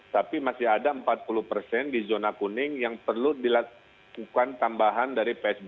tapi masih ada empat puluh persen di zona kuning yang perlu dilakukan tambahan dari psbb